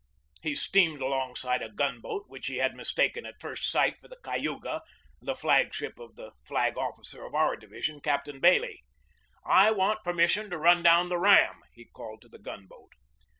He steamed alongside a gun boat which he had mistaken at first sight for the Cayuga, the flag ship of the flag officer of our division, Captain Bailey. "I want permission to run down the ram!" he called to the gun boat.